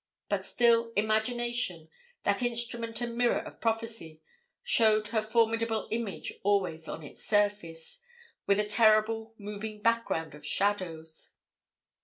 But still imagination, that instrument and mirror of prophecy, showed her formidable image always on its surface, with a terrible moving background of shadows.